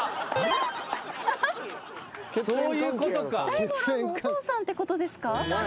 大五郎のお父さんってことですか？